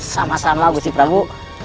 sama sama bersih prabu